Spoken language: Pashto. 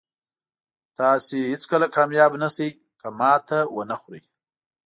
تاسو هېڅکله کامیاب نه شئ که ماتې ونه خورئ.